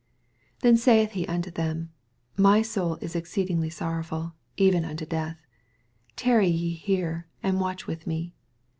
^ Then saith he anto them, My 0onl is exceeding sorrowful, even unto death : tarry ye here, and watch with me.